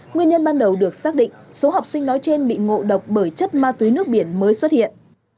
nguyên nhân ban đầu được xác định số học sinh nói trên bị ngộ độc bởi chất ma túy nước biển mới xuất hiện